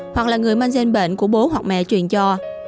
hoặc là người mang gian bệnh của bố hoặc mẹ truyền cho